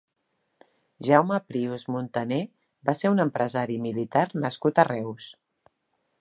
Jaume Prius Montaner va ser un empresari i militar nascut a Reus.